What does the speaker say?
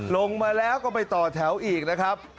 ลงมาแล้วก็ไปต่อแถวอีกนะครับ